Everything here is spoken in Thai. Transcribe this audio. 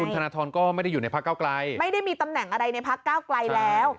ธนทรก็ไม่ได้อยู่ในพักเก้าไกลไม่ได้มีตำแหน่งอะไรในพักเก้าไกลแล้ว